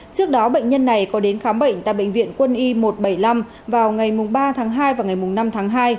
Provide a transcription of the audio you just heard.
trước đó bệnh nhân này có đến khám bệnh tại bệnh viện quân y một trăm bảy mươi năm vào ngày ba tháng hai và ngày năm tháng hai